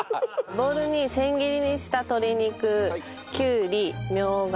ボウルに千切りにした鶏肉きゅうりミョウガ